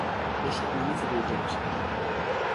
No sóc l'única que ho pensa.